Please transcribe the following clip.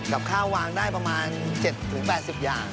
กับข้าววางได้ประมาณ๗๘๐อย่าง